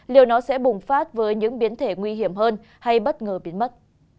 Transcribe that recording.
liệu nó sẽ bùng phát với những biến thể nguy hiểm hơn hay bất ngờ biến mất